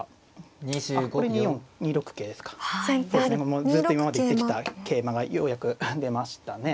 もうずっと言ってきた桂馬がようやく出ましたね。